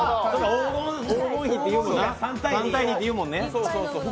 黄金比、３：２っていうもんね。